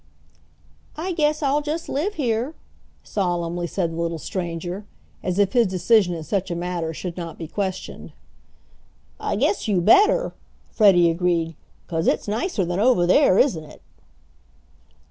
"I guess I'll just live here," solemnly said the little stranger, as if his decision in such a matter should not be questioned. "I guess you better!" Freddie agreed, "'cause it's nicer than over there, isn't it?"